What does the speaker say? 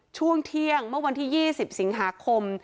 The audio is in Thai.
ช่วงเที่ยงเมื่อวันที่๒๐สิงหาคม